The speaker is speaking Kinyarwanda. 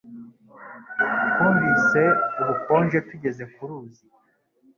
Twumvise ubukonje tugeze ku ruzi.